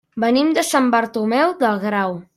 Venim de Sant Bartomeu del Grau.